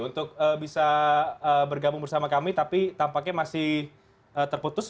untuk bisa bergabung bersama kami tapi tampaknya masih terputus